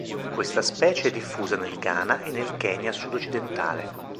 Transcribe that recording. Questa specie è diffusa nel Ghana e nel Kenya sud-occidentale.